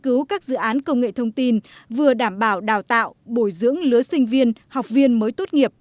cứu các dự án công nghệ thông tin vừa đảm bảo đào tạo bồi dưỡng lứa sinh viên học viên mới tốt nghiệp